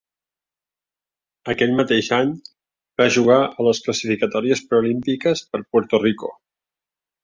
Aquell mateix any, va jugar a les classificatòries preolímpiques per Puerto Rico.